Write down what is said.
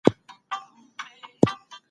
پښتو ژبه د کلتور برخه ده.